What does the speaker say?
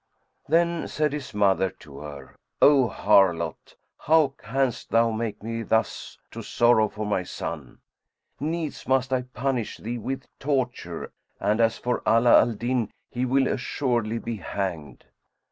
Then said his mother to her, "O harlot, how canst thou make me thus to sorrow for my son? Needs must I punish thee with torture, and as for Ala al Din, he will assuredly be hanged."